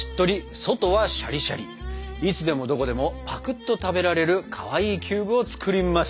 いつでもどこでもぱくっと食べられるかわいいキューブを作ります！